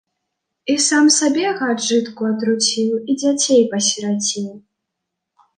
І сам сабе, гад, жытку атруціў, і дзяцей пасіраціў.